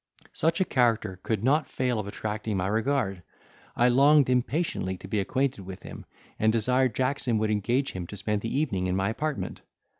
Such a character could not fail of attracting my regard; I longed impatiently to be acquainted with him, and desired Jackson would engage him to spend the evening in my apartment.